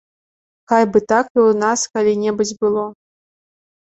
Хай бы так і ў нас калі-небудзь было.